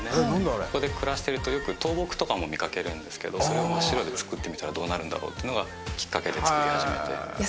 ここで暮らしてるとよく倒木とかも見かけるんですけどそれを真っ白で作ってみたらどうなるんだろうっていうのがきっかけで作り始めていや